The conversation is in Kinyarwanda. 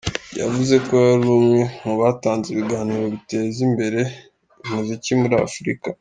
Yavuze ko yari umwe mu batanze ibiganiro biteza imbere umuziki muri Afurika.